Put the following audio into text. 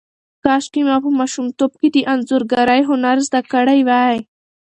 کاشکې ما په ماشومتوب کې د انځورګرۍ هنر زده کړی وای.